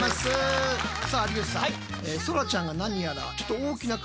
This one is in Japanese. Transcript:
さあ有吉さん